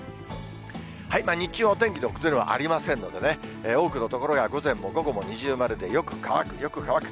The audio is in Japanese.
日中はお天気の崩れはありませんのでね、多くの所、午前も午後も二重丸でよく乾く、よく乾く。